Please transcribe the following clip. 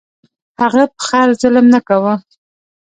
هغه په خر ظلم نه کاوه.